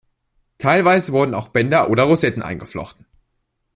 Teilweise wurden auch Bänder oder Rosetten eingeflochten.